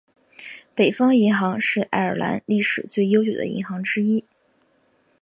北方银行是爱尔兰历史最悠久的银行之一。